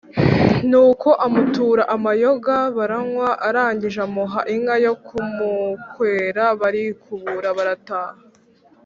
Nuko amutura amayoga, baranywa, arangije amuha inka yo kumukwera, barikubura barataha.